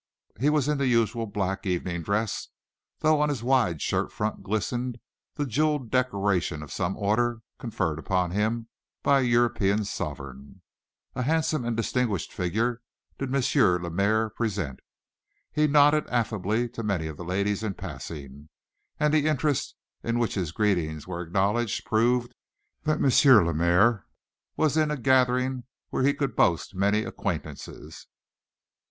He was in the usual black evening dress, though on his wide shirt front glistened the jeweled decoration of some order conferred upon him by a European sovereign. A handsome and distinguished figure did M. Lemaire present. He nodded affably to many of the ladies in passing, and the interest with which his greetings were acknowledged proved that M. Lemaire was in a gathering where he could boast many acquaintances.